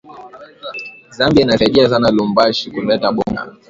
Zambia inasaidia sana lubumbashi kuleta bunga